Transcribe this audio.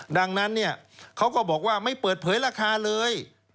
ดังนั้นเขาก็บอกว่าไม่เปิดเผยราคาเลย